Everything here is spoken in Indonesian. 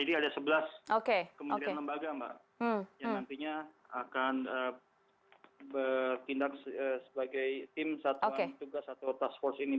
jadi ada sebelas kementerian lembaga yang nantinya akan bertindak sebagai tim satu tugas atau task force ini